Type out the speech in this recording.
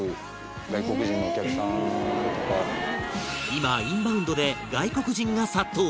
今インバウンドで外国人が殺到